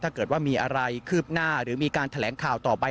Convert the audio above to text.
ถ้าเกิดว่ามีอะไรคืบหน้าหรือมีการแถลงข่าวต่อไป